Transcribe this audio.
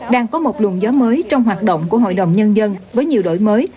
đang có một luồng gió mới trong hoạt động của hội đồng nhân dân với nhiều đổi mới